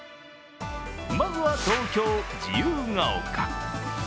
まずは東京・自由が丘。